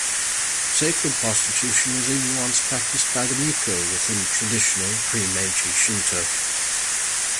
Sacred prostitution was even once practised by the Miko within traditional, pre-Meiji Shinto.